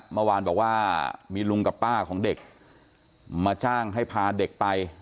เมื่อวานบอกว่ามีลุงกับป้าของเด็กมาจ้างให้พาเด็กไป